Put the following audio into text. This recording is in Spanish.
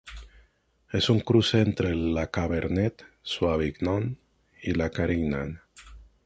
Es un cruce entre la cabernet sauvignon y la carignan.